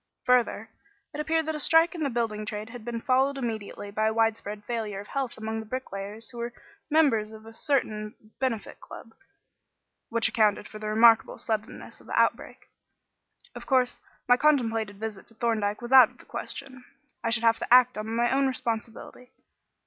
Further, it appeared that a strike in the building trade had been followed immediately by a widespread failure of health among the bricklayers who were members of a certain benefit club; which accounted for the remarkable suddenness of the outbreak. Of course, my contemplated visit to Thorndyke was out of the question. I should have to act on my own responsibility.